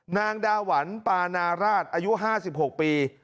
นางดาหวรรดิปลานราชอายุ๕๖ปี